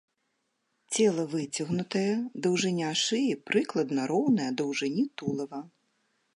Цела выцягнутае, даўжыня шыі прыкладна роўная даўжыні тулава.